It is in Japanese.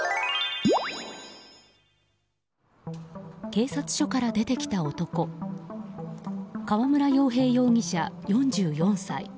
警察署から出てきた男川村洋平容疑者、４４歳。